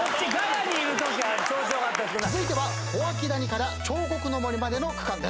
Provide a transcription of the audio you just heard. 続いては小涌谷から彫刻の森までの区間です。